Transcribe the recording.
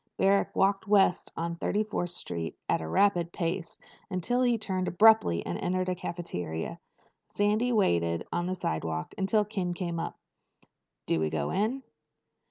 Barrack walked west on Thirty fourth Street at a rapid pace until he turned abruptly and entered a cafeteria. Sandy waited on the sidewalk until Ken came up. "Do we go in?"